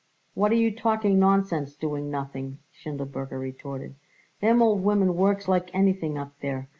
"What are you talking nonsense doing nothing!" Schindelberger retorted. "Them old women works like anything up there.